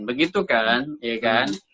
begitu kan ya kan